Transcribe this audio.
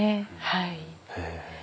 はい。